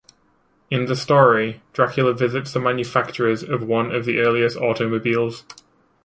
In the story, Dracula visits the manufacturers of one of the earliest automobiles.